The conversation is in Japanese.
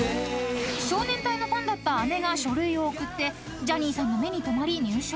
［少年隊のファンだった姉が書類を送ってジャニーさんの目に留まり入所］